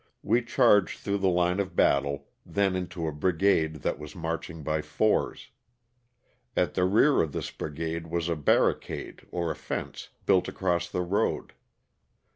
We charged through the line of battle, then into a brigade that was marching by fours. At the rear of this brigade was a barricade (or a fence) built across the road.